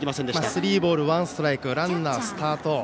スリーボールワンストライクランナースタート。